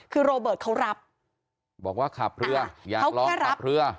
คือโรเบิร์ตเขารับบอกว่าขับเรืออยากลองขับเรือ